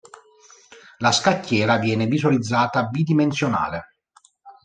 La scacchiera viene visualizzata bidimensionale.